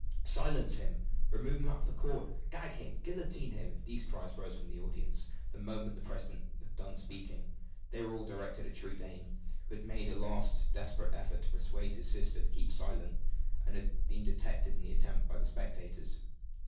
"Silence him!" "Remove him out of court!" "Gag him!" "Guillotine him!" These cries rose from the audience the moment the president had done speaking. They were all directed at Trudaine, who had made a last desperate effort to persuade his sister to keep silence, and had been detected in the attempt by the spectators.